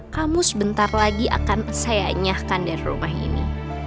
kamu sebentar lagi akan saya enyahkan dari rumah ini